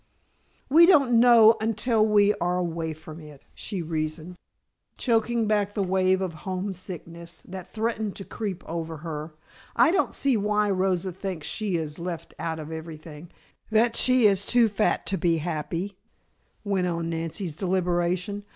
"We don't know until we are away from it," she reasoned, choking back the wave of home sickness that threatened to creep over her. "I don't see why Rosa thinks she is left out of everything; that she is too fat to be happy," went on Nancy's deliberation.